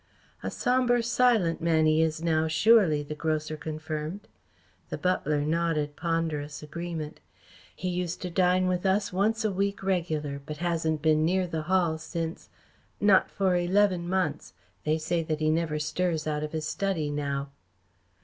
"A sombre, silent man he is now, surely," the grocer confirmed. The butler nodded ponderous agreement. "He used to dine with us once a week regular, but hasn't been near the Hall since not for eleven months. They say that he never stirs out of his study now."